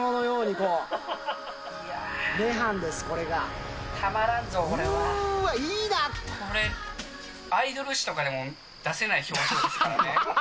これ、アイドル誌とかでも出せない表情ですからね。